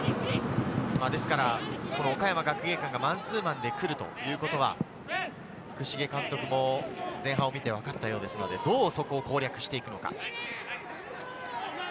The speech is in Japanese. ですから岡山学芸館がマンツーマンで来るということは、福重監督も前半を見て分かったようですので、どうそこを攻略していこうか？